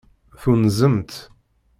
Tunzemt.